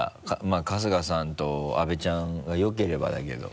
まぁ春日さんと阿部ちゃんがよければだけど。